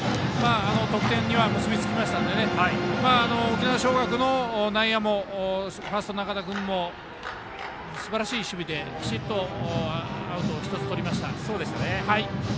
得点には結びつきましたので沖縄尚学の内野もファースト仲田君もすばらしい守備で、きちっとアウトを１つとりました。